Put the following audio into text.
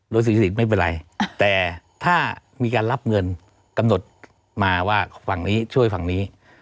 โดย๔๐ไม่เป็นไรแต่ถ้ามีการรับเงินกำหนดมาว่าฝั่งนี้ช่วยฝั่งนี้